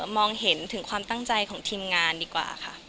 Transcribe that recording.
มองเห็นถึงความตั้งใจของทีมงานดีกว่าค่ะ